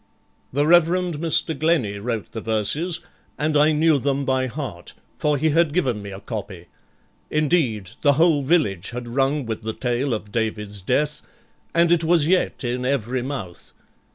The Reverend Mr. Glennie wrote the verses, and I knew them by heart, for he had given me a copy; indeed, the whole village had rung with the tale of David's death, and it was yet in every mouth.